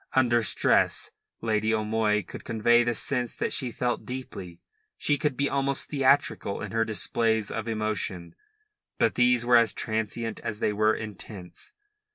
Under stress Lady O'Moy could convey the sense that she felt deeply. She could be almost theatrical in her displays of emotion. But these were as transient as they were intense.